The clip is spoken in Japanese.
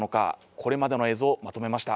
これまでの映像をまとめました。